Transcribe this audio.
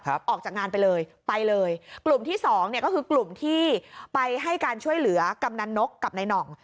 ออกจากงานไปเลยไปเลยกลุ่มที่สองเนี่ยก็คือกลุ่มที่ไปให้การช่วยเหลือกำนันนกกับนายหน่อง